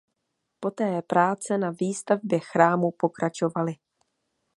Poté práce na výstavbě chrámu pokračovaly.